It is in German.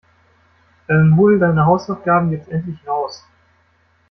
Na, dann hol deine Hausaufgaben jetzt endlich raus.